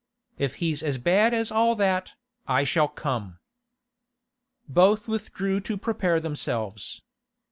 If he's as bad as all that, I shall come.' Both withdrew to prepare themselves. Mr.